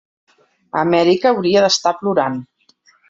Amèrica hauria d'estar plorant.